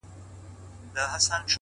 جانه ته ځې يوه پردي وطن ته!!